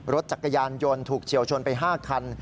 รถจักรยานยนต์ถูกเฉียวชนไป๕คัน